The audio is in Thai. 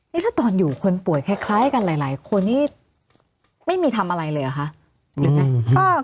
นี่ถ้าตอนอยู่คนป่วยคล้ายกันหลายคนนี่ไม่มีทำอะไรเลยเหรอคะ